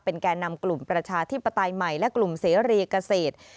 แก่นำกลุ่มประชาธิปไตยใหม่และกลุ่มเสรีเกษตร